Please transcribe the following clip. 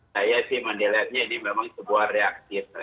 saya sih mendihatnya ini memang sebuah reaksi